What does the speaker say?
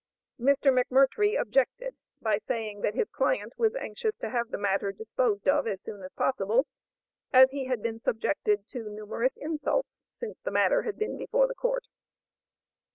Mr. McMurtrie objected, by saying, that his client was anxious to have the matter disposed of as soon as possible, as he had been subjected to numerous insults since the matter had been before the court.